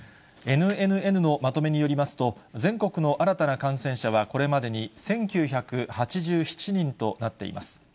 ＮＮＮのまとめによりますと、全国の新たな感染者はこれまでに１９８７人となっています。